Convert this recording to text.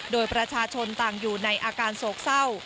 โดยประชาชนต่างอยู่ในอาการโศกเศร้า